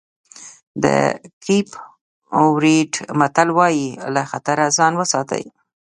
د کېپ ورېډ متل وایي له خطره ځان وساتئ.